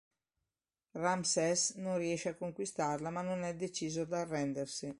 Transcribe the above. Ramses non riesce a conquistarla ma non è deciso ad arrendersi.